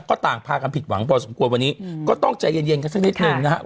ก็ต่างพากันผิดหวังพอสมควรวันนี้ก็ต้องใจเย็นกันสักนิดนึงนะครับ